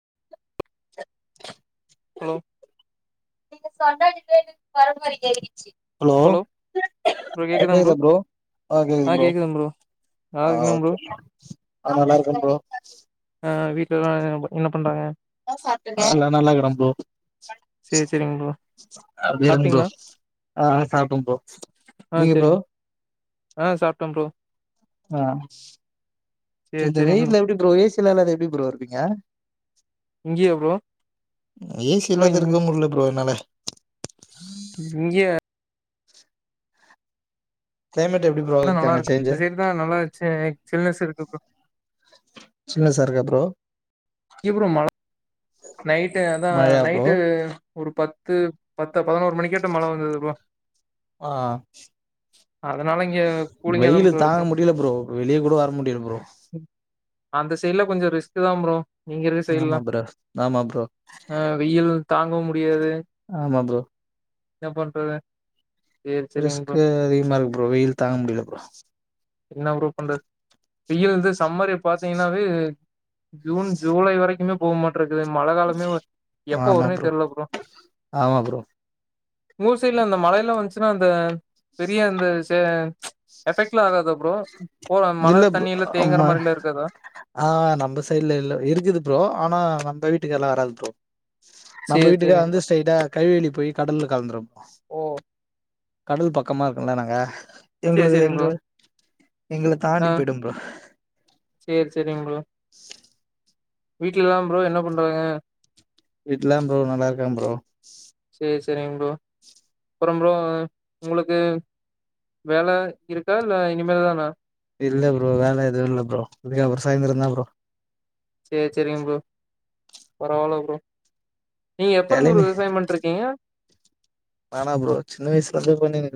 [inaudible] Hello hello கேக்குதா bro ஆஹ் ஆ கேக்குது ப்ரோ கேக்குதுங் நல்லா ஆஹ் இருக்கீங்ளா ப்ரோ ஓகே ஆ நல்லா இருக்கே ப்ரோ ஆஹ் வீட்டுல எல்லாம் எ என்ன பண்றாங்க ஆ நல்லா இருக்குறேன் ப்ரோ சேரி சேரிங் ப்ரோ அ விருந்து சாப்ட்டீங்ளா ஆ சாப்டன் ப்ரோ ஆ நீங்க ப்ரோ சேரிங் ஆ சாப்டே ப்ரோ ஆஹ் சேரி இந்த சேரிங் வெயில எப்டி ப்ரோ ஏசி இல்லாதது எப்டி ப்ரோ இருப்பீங்க இங்கயா ப்ரோ ஏசி ப்ரோ இல்லாத இருக்க முடில ப்ரோ என்னால இங்க க்ளைமேட் எப்டி ப்ரோ அதா நல்லா அங்க இருக்கு சேஞ்சு இந்த சைட்தான் நல்லா இருந்ச்சே சில்னஸ் இருக்கு ப்ரோ சில்னஸ் ஆ இருக்கா ப்ரோ இப்பறம் மழ நைட்டு அதான் மழையா ப்ரோ நைட்டு ஒரு பத்து பத்து பதினோரு மணி கிட்ட மழ வந்தது ப்ரோ ஆஹ் அதனால இங்க கூலிங்கா தா வெயிலு ப்ரோ இருக்கு தாங்க முடியல ப்ரோ வெளிய கூட வர முடியல ப்ரோ அந்த சைட்ல கொஞ்சம் ரிஸ்க் தான் ப்ரோ நீங்க இருக்க ஆமா சைட்லாம் ஆமா ப்ரோ அஹ் வெயில் தாங்கவும் முடியாது ஆமா ப்ரோ என்ன பண்றது சேரி ரிஸ் சேரிங் ப்ரோ கு அதிகமா இருக்கு ப்ரோ வெயில் தாங்க முடியல ப்ரோ என்ன ப்ரோ பண்றது வெயில்ந்து சம்மர் பாத்தீங்கன்னாவே ஜூன் ஜூலை வரைக்கும்மே போகுமாட் ட்றது மழ காலமே [inaudible] எப்ப வருனே தெர்ல ப்ரோ ஆமா ப்ரோ மூசைல அந்த மழைல வந்தச்சுன்னா அந்த பெரிய அந்த செ எஃபெக்ட்லா ஆகாதா ப்ரோ போல அந் மழ இல்ல ப்ரோ தண்ணியெல்லா தேங்கற ஆமா மாரிலா இருக்காதா ஆ நம்ம சைட்ல இல்ல இருக்குது ப்ரோ ஆனா அந்த வீட்டுக்கெல்லா வராது நம்ம சேரி வீட்டுக்கா சேரிங் வந்து ப்ரோ ஸ்டெய்ட்டா கைவேலி போய் கடல்ல கலந்துரு ஓ கடல் பக்கமா இருக்கோல நாங்க சேரி எங்ளுது சேரிங் ப்ரோ எங்ளு எங்கள ஆ தாண்டி பொயிடு ப்ரோ சேரி சேரிங் ப்ரோ வீட்லலா ப்ரோ என்ன பண்றாங்க வீட்லங் ப்ரோ நல்லாருக்காங்க ப்ரோ சேரி சேரிங் ப்ரோ அப்றோ ப்ரோ ஒங்ளுக்கு வேல இருக்கா இல்ல இனிமே தானா இல்ல ப்ரோ வேல எதுவு இல்ல ப்ரோ இதே ஒரு சாய்ந்தரதா ப்ரோ சேரி சேரிங்க ப்ரோ பரவால ப்ரோ நீங்க எப்ப இருந்து வேலைன்னு ப்ரோ விவசாய பண்ட்ருக்கீங்க நானா ப்ரோ சின்ன வயசுல இருந்தே பண்ணின்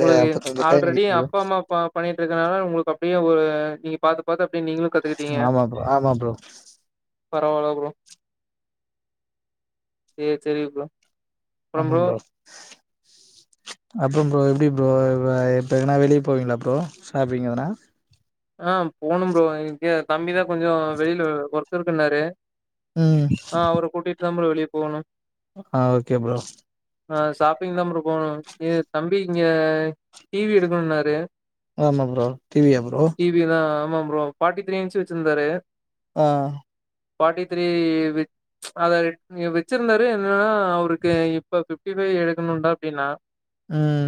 ஒங்ளுக்கு ஆல்ரெடி அப்பா அம்மா பண்ணிட்ருக்கா ஒங்களுக்கு அப்டியே ஒரு நீங்க பாத்து பாத்து அப்டியே நீங்களு கத்துக்கிட் ஆமா ப்ரோ ஆமா ப்ரோ பரவால ப்ரோ சேரி சேரி ப்ரோ ஆமா ப்ரோ அப்றோ ப்ரோ எப்டி ப்ரோ இப்ப எங்னா வெளிய போவீங்களா ப்ரோ ஷாப்பிங் எதனா ஆ போனு ப்ரோ இங்க தம்பிதா கொஞ்சோ வெயில ஒர்க் இருக்குனாரு ம் ஆ அவர கூட்டிட் தா ப்ரோ வெளிய போணு ஆ ஓகே ப்ரோ ஆ ஷாப்பிங் தா ப்ரோ போணு இது தம்பி இங்க டி வி எடுக்குணுனாரு ஆமா ப்ரோ டி வி யா ப்ரோ டி வி தா ஆமா ப்ரோ ஃபாடி த்ரீ இன்ச் வச்சிருந்தாரு ஆ ஃபாட்டி த்ரீ வெச் அத வெச்சிருந்தாரு என்னன்னா அவுருக்கு இப்ப ஃபிப்டி ஃபைவ் எடுக்கணுடா அப்டினா ம்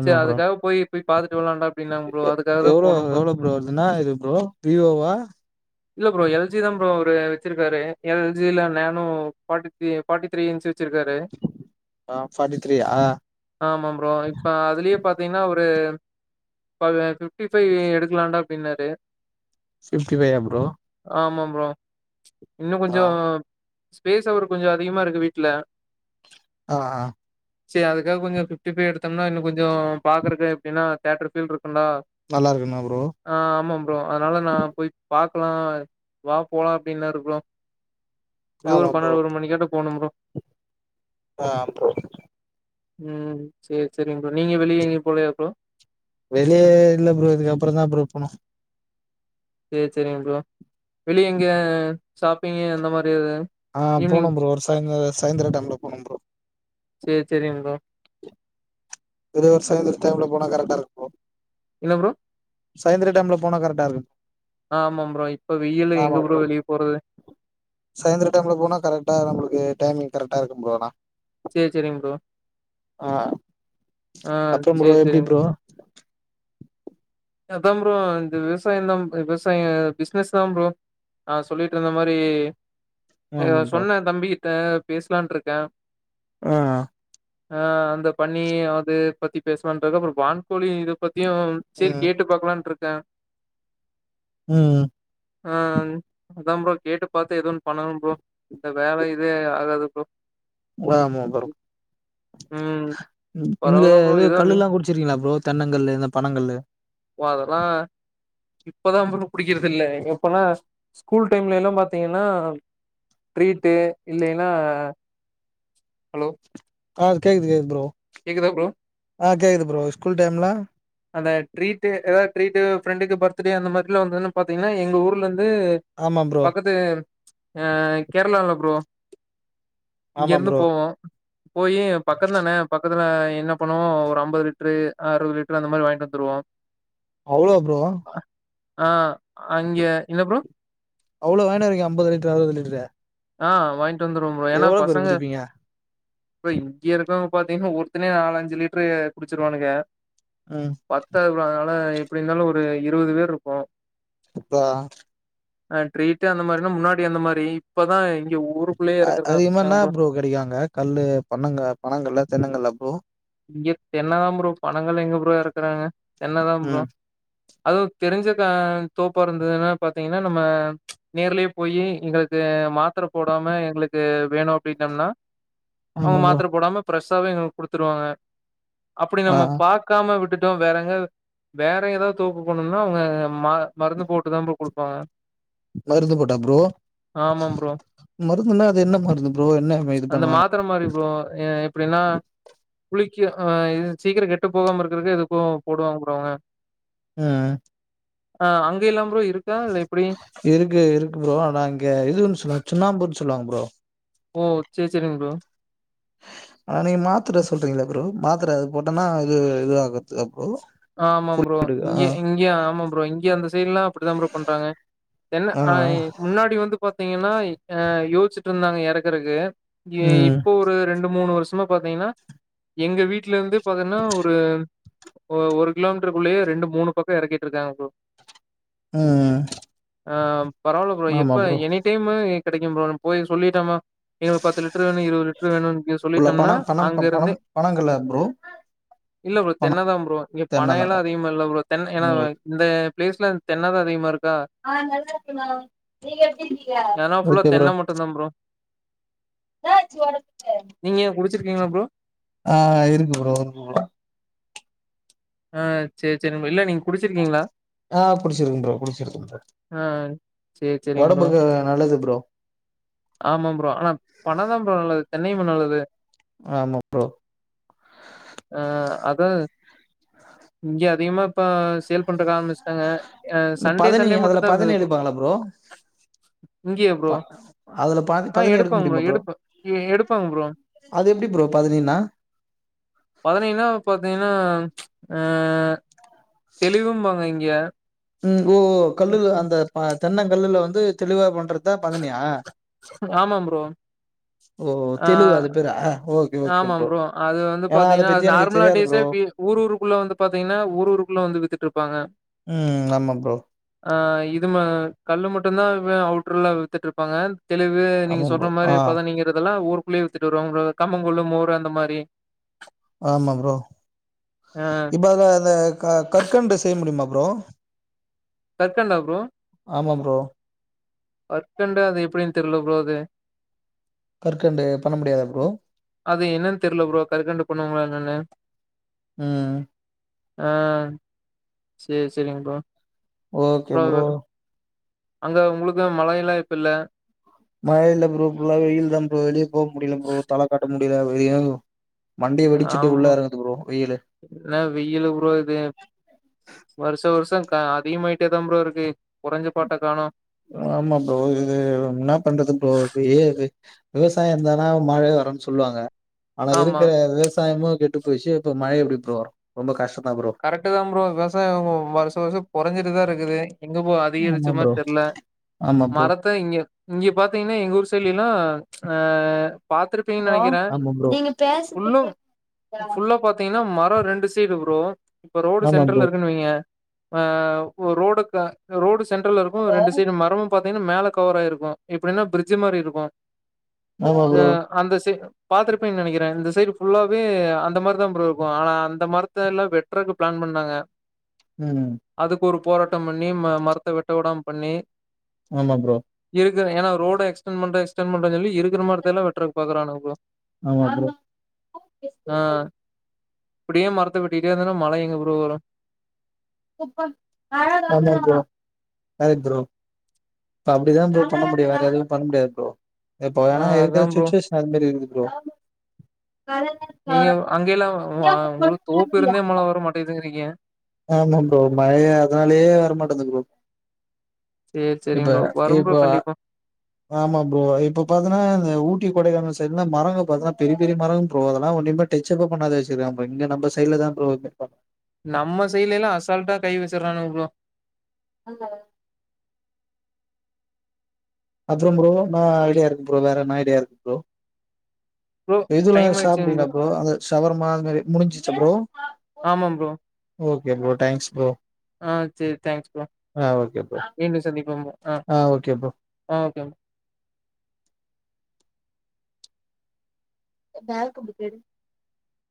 ஆமா சேர் ப்ரோ அதுக்காக போய் போய் பாத்துட்டு வர்லாண்டா எவ்ளோ எவ்ளோ ப்ரோ வருது என்னா இது ப்ரோ விவோவா இல்ல ப்ரோ எல் ஜி தா ப்ரோ அவுரு வச்சிருக்காரு எல் ஜி ல nano forty three forty three inch வச்சிருக்காரு. ஆ ஃபாட்டி த்ரீயா ஆமா ப்ரோ இப்ப அதுலயே பாத்தீங்கனா ஒரு இப்ப அது ஃபிப்டி ஃபை எடுத் இவெண்டா அப்டின்னாரு ஃபிப்டி ஃபையா ப்ரோ ஆமா ப்ரோ இன்னு ஆ கொஞ்சோ ஸ்பேஸ் அவுரு கொஞ்சோ அதிகமா இருக்கு வீட்ல ஆ ஆ சேர் அதுக்காக கொஞ்ச ஃபிப்டி ஃபை எடுத்தம்னா இன்ன கொஞ்சோ பாக்றக்கு எப்டினா தேட்டர் ஃபீல் இருக்குண்டா நல்லாருக்குமா ப்ரோ ஆ ஆமா ப்ரோ அதனால நா போய் பாக்லா வா போலா அப்டினாரு ப்ரோ அப்டியே ஆமா ஒரு ப்ரோ பன்னெண்டு ஒரு மணிகிட்ட போனோ ப்ரோ ஆ ப்ரோ ம் சேரி சேரிங் ப்ரோ நீங்க வெளிய எங்கயு போலயா ப்ரோ வெளிய இல்ல ப்ரோ இதுக்கு அப்றோ தா ப்ரோ போணு சேரி சேரிங் ப்ரோ வெளிய எங்க ஷாப்பிங்கு அந்த மாரி எது ஆ ஈவினிங் போணும் ப்ரோ ஒரு சாய்ந்தர சாய்ந்திர டைம்ல போணும் ப்ரோ சேரி சேரிங் ப்ரோ இதே ஒரு சாய்ந்தர டைம்ல போனா கரெக்டாருக்கு என்ன ப்ரோ சாய்ந்திர டைம்ல போனா கரெக்டா இருக்கு ஆ ஆமா ப்ரோ இப்ப வெயில்ல எங்க ப்ரோ வெளிய போறது சாயந்தர டைம்ல போனா கரெக்டா நம்மளுக்கு டைமிங் கரெக்டா இருக்கும் ப்ரோ ஆனா சேரி சேரிங் ப்ரோ ஆ ஆ அப்றோ ப்ரோ சேரி எப்டி சேரிங் ப்ரோ அதா ப்ரோ இந்த விவசாயம் தா விவசாய பிசினஸ் தா ப்ரோ ஆ சொல்லிட்டு இருந்த மாரி ஆ ஆமா ப்ரோ சொன்னே தம்பிக்கிட்ட பேசலான் இருக்கே ஆ ஆ அந்த பன்னி அது பத்தி பேசலான்ருக்கே அப்றோ வான்கோழி இது பத்தியு சேரி ம் கேட்டு பாக்கலான்ட்ருக்கே ம் ஆ அதா ப்ரோ கேட்டு பாத்து ஏத ஒன்னு பண்ணணு ப்ரோ இந்த வேல இதே ஆகாது ப்ரோ ஆமா ப்ரோ ம் ம் இங்க பரவால்ல ப்ரோ இது ஏதோ நீ கள்லெல்லா குடுச் சிருக்கிங்களா ப்ரோ தென்னங்கள்ளு இந்த பனங்கள்ளு அதெல்லா இப்பதா ப்ரோ புடிக்கிறதுல்ல எப்பனா ஸ்கூல் டைம்ல எல்லா பாத்தீங்கன்னா டீரிட்டு இல்லைன்னா ஹலோ அ கேக்குகது கேக்குது ப்ரோ கேக்குதா ப்ரோ ஆ கேக்குது ப்ரோ ஸ்கூல் டைம்ல அந்த ட்ரீட் ஏதாவது ட்ரீட் ஃப்ரெண்டுக்கு பர்த்டே அந்த மாதிரிலா வந்துன்னு பாத்தீங்கன்னா எங்க ஊர்ல இருந்து ஆமா ப்ரோ வந்து அ கேரளால ப்ரோ இங்க ஆமா இருந்து ப்ரோ போவோ போய் பக்க தான பக்கத்துல என்ன பண்ணுவோ ஒரு ஐம்பது லிட்ரு அறுபது லிட்ரு அந்த மாரி வாங்கிட்டு வந்துருவோ அவ்ளோ ப்ரோ ஆ அங்கே என்ன ப்ரோ அவ்ளோ வாங்கினு வருவீங்க அம்பது லிட்டரு அறுவது லிட்டரே ஆ வாங்கிட்டு வந்துருவோ ஏன்னா பசங்க குடிப்பீங்க இப்ப இங்க இருக்கிறவங்க பாத்தீங்கன்னா ஒருத்தனே நாலஞ்சு லிட்டரு குடிச்சிருவானுங்க ம் பத்தாது ப்ரோ அதனால எப்டி இருந்தாலு ஒரு இருபது பேர் இருப்போ அத்தா அ ட்ரீட்டு அந்த மாரினா முன்னாடி அந்த மாரி இப்பதா இங்க ஊருக்குள்ளயே ஏறக்கறக்கு ஆரம்பிச்சுட்டாங்க ப்ரோ உகடையாங்க கள்ளு பண்ணங்க பனங்கள்ளா தென்னங்கள்ளா ப்ரோ இங்க தென்னதா ப்ரோ பனங்கள் எங்க ப்ரோ எறக்குறாங்க தென்னதா ப்ரோ ம் அதுவு தெரிஞ்ச கா தோப்பா இருந்ததுன்னா பாத்தீங்கன்னா நம்ம நேர்ல போயி எங்களுக்கு மாத்திர போடாம எங்களுக்கு வேணு அப்டின்னம்னா அவங்க ஆமா ப்ரோ மாத்தர போடாம ப்ரஷ்ஷாவே எங்களுக்கு குடுத்துருவாங்க அப்படி ஆ நம்ம பாக்காம விட்டுட்டோ வேறங்க வேற ஏதாவது தோப்பு போணும்னா அவங்க ம மருந்து போட்டு தா ப்ரோ குடுப்பாங்க மருந்து போட்டா ப்ரோ ஆமா ப்ரோ மருந்துனா அது என்ன மருந்து ப்ரோ என்ன இது அந்த பண்ணுவாங்க மாத்தர மாரி ப்ரோ எ எப்படின்னா புளிக்கு ஆ இது சீக்கிர கெட்டு போகாம இருக்கறக்கு இதுக்கோ போடுவாங்க ப்ரோ அவங்க ம் ஆ அங்க இல்லாம் ப்ரோ இருக்கா இல்ல எப்டி இருக்கு இருக்கு ப்ரோ ஆனா இங்க இதுன்னு சொல்லுவ சுண்ணாம்புன்னு சொல்லுவாங்க ப்ரோ ஓ சேரி சேரிங்க ப்ரோ ஆ நீங்க மாத்தர சொல்றீங்களா ப்ரோ மாத்தர அது போட்டம்னா இது இது ஆகுது ப்ரோ ஆமா ப்ரோ ஆ இங்க இங்கய ஆமாம் ப்ரோ இங்க அந்த சைடுல்லா அப்படிதா ப்ரோ பண்றாங்க என்ன ஆ ஆய் முன்னாடி வந்து பாத்தீங்கன்னா அ யோசிச்சுட்ருந்தாங்க எறக்குறக்கு எ ம் இப்போ ஒரு ரெண்டு மூணு வருஷமா பாத்தீங்கன்னா எங்க வீட்ல இருந்து பாத்தீங்கன்னா ஒரு ஓ ஒரு கிலோமீட்டருக்குள்ளயே ரெண்டு மூணு பக்க எறக்கிட்ருக்காங் ப்ரோ ம் ஆ பரவால்ல ப்ரோ எப்ப எனி டைமு கெடைக்கு ப்ரோ போய் சொல்லிட்டாம எங்களுக்கு பத்து லிட்டர் வேணு இருவது லிட்டரு வேணு சொல்லிட்டோம்னா அங்கிருந்தே பனங்கல்லா ப்ரோ இல்ல ப்ரோ பணம் தென்னதா ப் ப இங்க பனையெல்லா தென்னந்தானம் அதிகமா இல்ல ப்ரோ தென்னை ஏனா உங்களுக்கு இந்த ப்ளேஸ்ல தென்னதா அதிகமா இருக்கா ஆ நல்லாருக்கேனா நீங்க எப்டி இருக்கீங்க சர்தா ப்ரோ நீங்க குடிச்சிருக்கீங்களா ப்ரோ? ஆ இருக்கு ப்ரோ இருக்கு ப்ரோ ஆ சேர் செரி இல்ல நீங்க குடிச்சிருக்கீங்ளா ஆ புட்ச்சிர்க்கு ப்ரோ புடிச்சிருக்கு ப்ரோ ஆ சரி, சரிங்க ப்ரோ. ஒடம்புக்கு நல்லது ப்ரோ ஆமா ப்ரோ ஆனா பன தா ப்ரோ நல்லது தென்னையுமா நல்லது ஆமா ப்ரோ ஆ அது இங்க அதிகமாப் இப்ப சேல் பண்றக்க ஆரம்பிச்டாங்க ஆ சண்டே பதனி சண்டே அதுல மட்டுந்தா பதனி இருந்தது இப்போ எடுப்பாங்களா ப்ரோ இங்கியா ப்ரோ அதுல ப ஆ பதனி எடுக்க எடுப்பாங் ப்ரோ முடியுமா எடுப்ப ஏ எடுப்பாங்க ப்ரோ அது எப்டி ப்ரோ பதனீனா பதனீனா பாத்தீங்னா ஆ தெளிவும் பாங்க இங்க ம் ஓ கல்லுல அந்த ப தென்ன கல்லுல வந்து தெளிவா பண்றத்தா பதனியா ஆமா ப்ரோ ஓ ஆ தெலுகு அது பேரா ஓகே ஓகே ஆமா ப்ரோ அது வந்து ஏன்னா அத பாத்தீங்னா அது பத்தி எனக்கு நார்ம்லா தெரியாது ப்ரோ டேஸே பீம் ஊர்ஊருக்குள்ள வந்து பாத்தீங்னா ஊர்ஊருக்குள்ள வந்து வித்திட்ருப்பாங்க ம் ஆமா ப்ரோ ஆ இது ம கல்லு மட்டுந்தா வே அவுட்ருல்ல வித்திட்ருப்பாங்க தெளிவு நீங்க ஆமா ப்ரோ சொல்ற மாரி ஆ பதனீங்கறதெல்லா ஊருக்குள்யே வித்துட்டு வருவாங் ப்ரோ கம்மங்கூல்லு மோரு அந்த மாரி ஆமா ப்ரோ ஆ பத த க கற்கண்டு செய்ய முடிய்மா ப்ரோ கற்கண்டா ப்ரோ ஆமா ப்ரோ கற்கண்டு அது எப்டின் தெர்ல ப்ரோ அது கற்கண்டு பண்ண முடியாதா ப்ரோ அது என்னன் தெர்ல ப்ரோ கற்கண்டு பண்ணுவாங்களா என்னன்னு ம் ம் சேர் செரிங் ப்ரோ ஓகே ப்ரோ அங்க உங்ளுக்கு மழை எல்லா இப்பல்ல மழ இல்ல ப்ரோ ஃபுல்லாவே வெயில் தா ப்ரோ வெளியே போ முடில ப்ரோ தல காட்ட முடில வெளிய மண்டய வெடிச்சுட்டு ஆமா. உள்ள எறங்கது ப்ரோ வெயிலு என்ன வெயில் ப்ரோ இது வருஷ வருஷோ க அதிகமாய்டே தா ப்ரோருக்கு கொறஞ்ச பாட்ட காணோ ஆமா ப்ரோ இது இன்ன பண்றது ப்ரோ ஏது விவசாயோ இருந்தா தா மழை வரன்னு சொல்வாங்க ஆனா ஆமா. இருக்கிற விவசாயமு கெட்டு போய்ச்சு இப்ப மழ எப்டி ப்ரோ வரும் ரொம்ப கஷ்ட தா ப்ரோ கரெட்டு தா ப்ரோ விவசாயம் போ வருஷ வருஷோ கொறஞ்சிட்டுதா இருக்குது எங்க போ அதிகரிச்ச ஆமா ப்ரோ மார் தெர்ல ஆமா ப்ரோ மரத் ப்ப இங்க இங்க பாத்தீங்னா எங் ஊர் சைட்லில்லா ஆ பாத்திருப்பீங்கு நெனைக்கிறே ஆமா ப்ரோ புல்லும் ஃபுல்லா பாத்த பாத்தீங்கன்னா மரோ ரெண்டு சீடு ப்ரோ இப்ப ரோடு ஆமா சென்ட்ரல்ல ப்ரோ இருக்குன்னுவீங்க ஆ ரோடு க ரோடு சென்ட்ரல்ல இருக்கும் ரெண்டு சைடு மரம் பாத்தீங்கன்னா மேல கவர்ராயிருக்கும் எப்படின்னா பிரிட்ஜ் மாரி இருக்கும் ஆமா ஆ ப்ரோ அந்த சி பாத்துருப்பங்னு நெனைக்கிறே இந்த சைடு ஃபுல்லாவே அந்த மாரி தா ப்ரோ இருக்கும் ஆனா அந்த மரத்த எல்லாம் வெட் ட்ரக்கு பிளான் பண்ணாங்க ம் அதுக்கு ஒரு போராட்டம் பண்ணி ம மரத்த வெட்ட விடாம பண்ணி ஆமா ப்ரோ இருக்கு ஏன்னா ரோட எக்ஸ்டென் பண்றே எஸ்ட்டன் பண்றேன் சொல்லி இருக்கற மரத்தெல்லா வெட்றதுக் பாக்குறான்ங்க ப்ரோ ஆ ப்ரோ ஆ இப்டியே மரத்த வெட்டிட்டே இருந்தன்னா மழ எங்க ப்ரோ வரும் ஆமா ப்ரோ கரெக்ட் ப்ரோ இப்ப அப்படிதா ப்ரோ பண்ண முடியு வேற எதுவும் பண்ண முடியாது ப்ரோ இப்ப ஆ ஏன்னா இருக்கிற அதான் ப்ரோ. சுச்சஷன் அதுமாரி இருக்குது ப்ரோ நீங்க அங்கெல்லா ஆ உங்களுக்கு தோப்பு இருந்தே மழ வர மாட்டேதுங்கிறீங்க ஆமா ப்ரோ மழயே அதாலயே வரமாட்டேது ப்ரோ சேரி சரி இப்ப ப்ரோ வரும் ப்ரோ இப்போ கண்டிப்பா ஆமா ப்ரோ இப்ப பாத்தங்கன்னா இந்த ஊட்டி கொடைக்கானல் சைடுல மரங்க பாத்தீன்னா பெரிய பெரிய மரங்க பரோ அதெல்லா ஒன்மேட் டச்சப்ப பண்ணாத வச்சிருக்காப்பா இங்க நம் சைடுல தா ப்ரோ அ நம்ம சைடுலெல்லா அசால்ட்டா கை வச்சறாங்க ப்ரோ ஆமா அப்றோ ப்ரோ ன்னா ஐடியா இருக்கு ப்ரோ வேற என்ன ஐடியா இருக்கு ப்ரோ ப்ரோ இதுல்லா டைம் ஆயிடுச்சுங்க சாப்டுவீங்ளா ப்ரோ அந்த சவர்மா அது மாதிரி முடிஞ்சிச்சா ப்ரோ ஆமா bro. Okay bro thanks bro ஆ சரி தேங்க்ஸ் ப்ரோ ஆ ஓகே ப்ரோ மீண்டும் சந்திப்போ ப்ரோ ஆ ஆ ஓகே ப்ரோ ஆ ஓகே [unintelligible] எடு